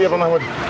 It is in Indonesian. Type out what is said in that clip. iya pak mahmud